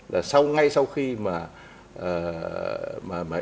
là ngay sau khi mà